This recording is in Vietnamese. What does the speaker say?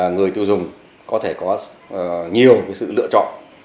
người tiêu dùng có thể có nhiều sự lựa chọn